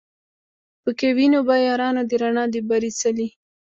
پکښی وینو به یارانو د رڼا د بري څلی